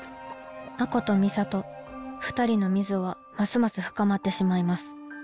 亜子と美里２人の溝はますます深まってしまいます。